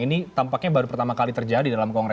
ini tampaknya baru pertama kali terjadi dalam kongres